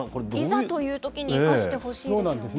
いざというときに生かしてほしいですよね。